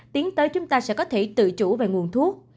tiến tới chúng ta sẽ có thể tự chủ về nguồn thuốc